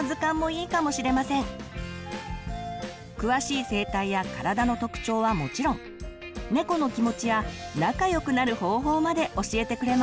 詳しい生態や体の特徴はもちろんねこの気持ちや仲良くなる方法まで教えてくれます。